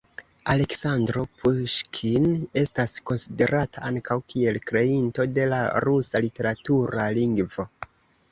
Aleksandro Puŝkin estas konsiderata ankaŭ kiel kreinto de la rusa literatura lingvo.